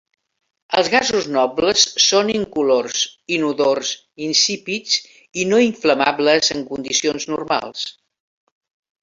Els gasos nobles són incolors, inodors, insípids i no inflamables en condicions normals.